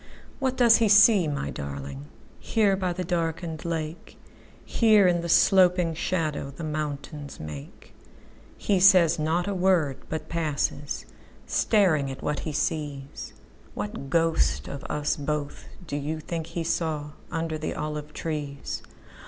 What does he see, my darlingHere by the darkened lake? Here, in the sloping shadowThe mountains make? He says not a word, but passes, Staring at what he sees. What ghost of us both do you think he sawUnder the olive trees?